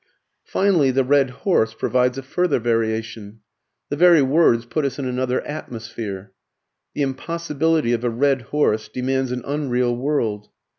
Finally, the red horse provides a further variation. The very words put us in another atmosphere. The impossibility of a red horse demands an unreal world.